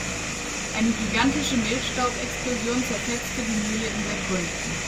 Eine gigantische Mehlstaubexplosion zerfetzte die Mühle in Sekunden.